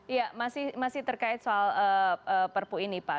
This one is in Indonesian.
iya masih terkait soal perpu ini pak